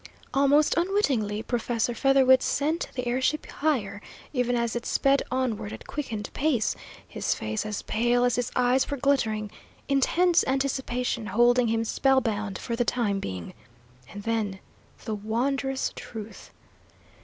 Almost unwittingly Professor Featherwit sent the air ship higher, even as it sped onward at quickened pace, his face as pale as his eyes were glittering, intense anticipation holding him spellbound for the time being. And then the wondrous truth!